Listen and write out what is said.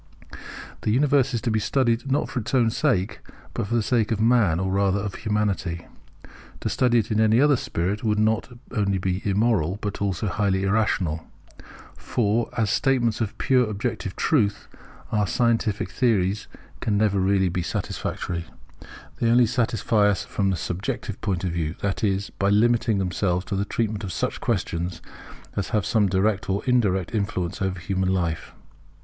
The Universe is to be studied not for its own sake, but for the sake of Man or rather of Humanity. To study it in any other spirit would not only be immoral, but also highly irrational. For, as statements of pure objective truth, our scientific theories can never be really satisfactory. They can only satisfy us from the subjective point of view; that is, by limiting themselves to the treatment of such questions as have some direct or indirect influence over human life.